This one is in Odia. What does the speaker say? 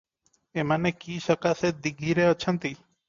ଏମାନେ କି ସକାଶେ ଦୀଘିରେ ଅଛନ୍ତି?